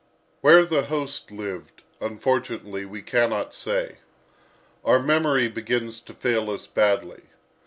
Where the host lived, unfortunately we cannot say. Our memory begins to fail us badly.